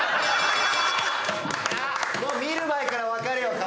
見る前から分かるよ顔。